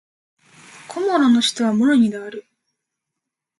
コモロの首都はモロニである